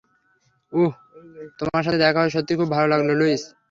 উহ-হু, তোমার সাথে দেখা হয়ে সত্যিই খুব ভালো লাগলো, লুইস।